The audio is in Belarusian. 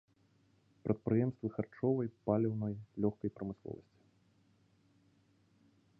Прадпрыемствы харчовай, паліўнай, лёгкай прамысловасці.